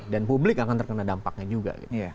dan publik akan terkena dampaknya juga gitu